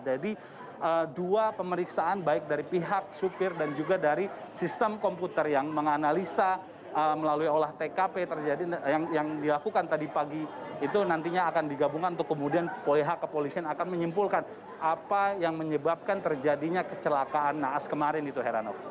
jadi dua pemeriksaan baik dari pihak supir dan juga dari sistem komputer yang menganalisa melalui olah tkp yang dilakukan tadi pagi itu nantinya akan digabungkan untuk kemudian pihak kepolisian akan menyimpulkan apa yang menyebabkan terjadinya kecelakaan naas kemarin itu heranov